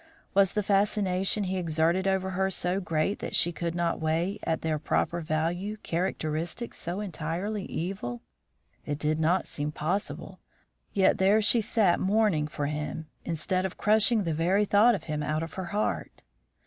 Was the fascination he exerted over her so great that she could not weigh at their proper value characteristics so entirely evil? It did not seem possible. Yet there she sat mourning for him, instead of crushing the very thought of him out of her heart.